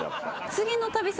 次の旅先